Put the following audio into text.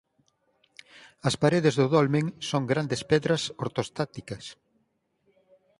As paredes do dolmen son grandes pedras ortostáticas.